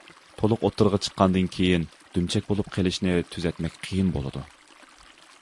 تولۇق ئوتتۇرىغا چىققاندىن كېيىن دۈمچەك بولۇپ قېلىشنى تۈزەتمەك قىيىن بولىدۇ.